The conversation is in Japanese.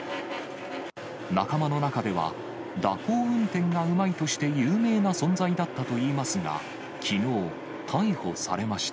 仲間の中では、蛇行運転がうまいとして有名な存在だったといいますが、きのう、逮捕されました。